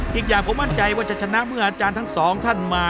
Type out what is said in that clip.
อีกอย่างผมมั่นใจว่าจะชนะเมื่ออาจารย์ทั้งสองท่านมา